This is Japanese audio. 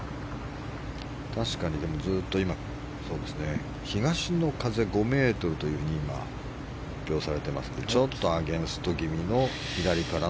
確かにずっと東の風５メートルと発表されてますのでちょっとアゲンスト気味の左から。